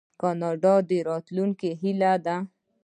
کاناډا د راتلونکي هیله ده.